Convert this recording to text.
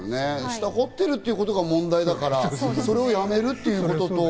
下、掘ってるってことが問題だから、それをやめるっていうこと。